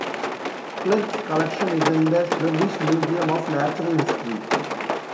Clerck's collection is in the Swedish Museum of Natural History.